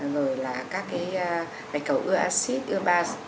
rồi là các cái bạch cầu ưa acid ưa bas